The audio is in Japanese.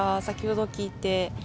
先ほど聞いて。